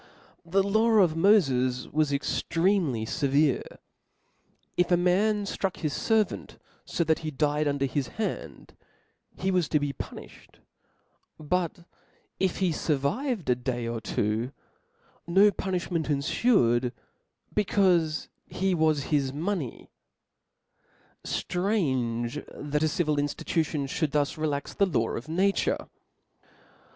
Alexan * der. The law of Moles was extremely fevere. " If a man ftruck his fervant fo that he died under *' his hand, he was to be puniihed ; but if he *' furviyed a day or two, no punifhment enfued, becaufe he was his money *•" Strange that a civil inftitution fhould thus relax the law of nature!